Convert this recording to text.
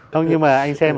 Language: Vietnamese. không nhưng mà anh xem